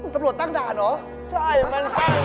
ตำรวจตั้งด่านเหรอใช่มัน